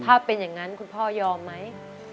ถ้าเป็นอย่างนั้นคุณพ่อยอมไหม